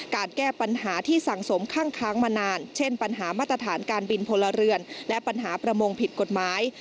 การแก้ปัญหาที่สั่งสมข้างมานานเช่นปัญหามาตรฐานการบินพลเรือนและปัญหาประมงผิดกฎหมาย